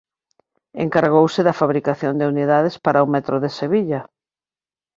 Encargouse da fabricación de unidades para o metro de Sevilla.